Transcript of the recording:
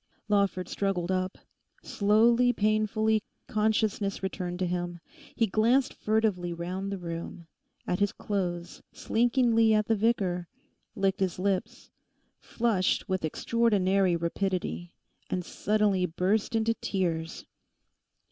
Lawford struggled up. Slowly, painfully consciousness returned to him. He glanced furtively round the room, at his clothes, slinkingly at the vicar; licked his lips; flushed with extraordinary rapidity; and suddenly burst into tears.